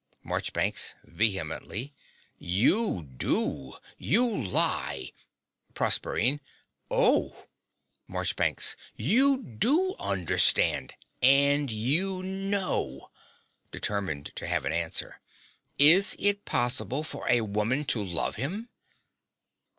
MARCHBANKS (vehemently). You do. You lie PROSERPINE. Oh! MARCHBANKS. You DO understand; and you KNOW. (Determined to have an answer.) Is it possible for a woman to love him?